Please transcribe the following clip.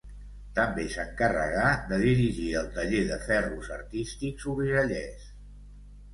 També s'encarregà de dirigir el Taller de Ferros Artístics Urgellès.